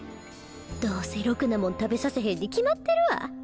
どうせろくなもん食べさせへんに決まってるわ。